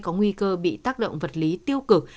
có nguy cơ bị tác động vật lý tiêu cực